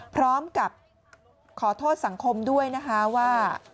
พร้อมกับขอโทษสังคมด้วยนะคะว่า